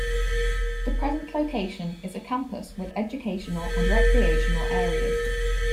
The present location is a campus with educational and recreational areas.